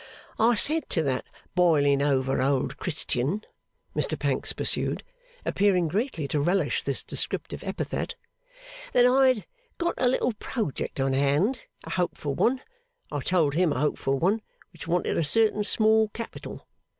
'I said to that boiling over old Christian,' Mr Pancks pursued, appearing greatly to relish this descriptive epithet, 'that I had got a little project on hand; a hopeful one; I told him a hopeful one; which wanted a certain small capital.